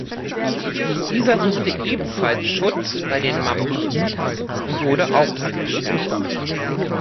Dieser suchte ebenfalls Schutz bei den Mamluken und wurde auch eingesperrt.